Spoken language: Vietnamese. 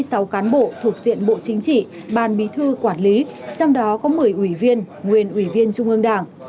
ba mươi sáu cán bộ thuộc diện bộ chính trị ban bí thư quản lý trong đó có một mươi ủy viên nguyên ủy viên trung ương đảng